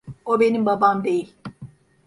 O benim babam değil.